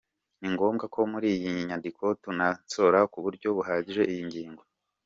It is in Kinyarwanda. Ni ngombwa ko muri iyi nyandiko tunonosora ku buryo buhagije iyi ngingo.